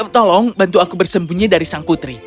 tolong bantu aku bersembunyi dari sang putri